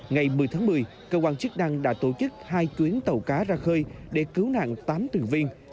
ngày một mươi tháng một mươi cơ quan chức năng đã tổ chức hai chuyến tàu cá ra khơi để cứu nạn tám thuyền viên